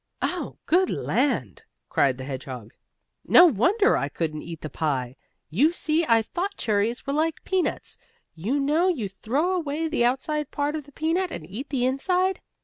"Oh, good land!" cried the hedgehog, "no wonder I couldn't eat the pie. You see, I thought cherries were like peanuts. For you know you throw away the outside part of the peanut, and eat the inside."